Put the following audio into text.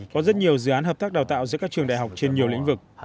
có rất nhiều dự án hợp tác đào tạo giữa các trường đại học trên nhiều lĩnh vực